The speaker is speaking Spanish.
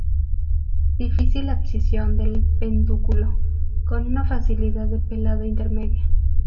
Difícil abscisión del pedúnculo, con una facilidad de pelado intermedia.